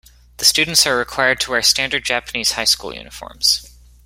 The students are required to wear standard Japanese high school uniforms.